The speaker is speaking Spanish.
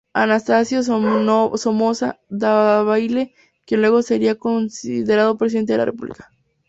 Anastasio Somoza Debayle quien luego sería Presidente de La República.